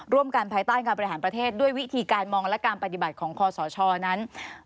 ภายใต้การบริหารประเทศด้วยวิธีการมองและการปฏิบัติของคอสชนั้น